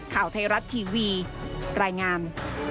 ข่าวไทยรัฐทีวีรายงาน